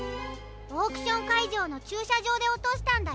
オークションかいじょうのちゅうしゃじょうでおとしたんだよ。